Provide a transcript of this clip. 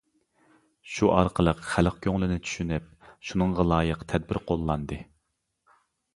شۇ ئارقىلىق خەلق كۆڭلىنى چۈشىنىپ، شۇنىڭغا لايىق تەدبىر قوللاندى.